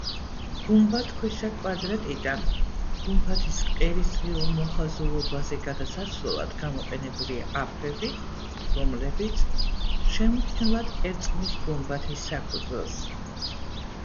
გუმბათქვეშა კვადრატიდან გუმბათის ყელის წრიულ მოხაზულობაზე გადასასვლელად გამოყენებულია აფრები, რომლებიც შეუმჩნევლად ერწყმის გუმბათის საფუძველს.